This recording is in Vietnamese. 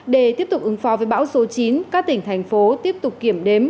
để tiếp tục ứng phó với bão số chín các tỉnh thành phố tiếp tục kiểm đếm